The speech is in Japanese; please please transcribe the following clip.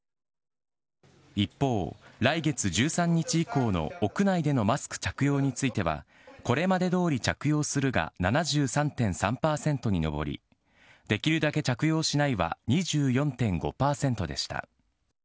一方、来月１３日以降の屋内でのマスク着用については、これまでどおり着用するが７３．３％に上り、できるだけ着用しないは２４．５％でした。